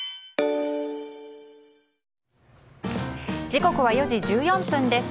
時刻は４時１４分です。